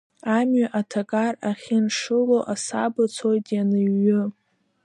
Амҩа аҭакар ахьаншыло асаба цоит ианыҩҩы.